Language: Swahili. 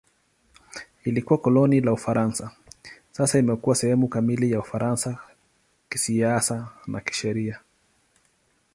Ilikuwa koloni la Ufaransa; sasa imekuwa sehemu kamili ya Ufaransa kisiasa na kisheria.